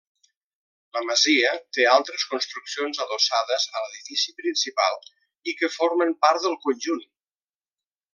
La masia té altres construccions adossades a l'edifici principal i que formen part del conjunt.